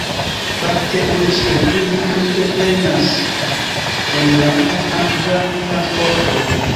Parte oni sur ili entreprenas enlandan akvan transporton.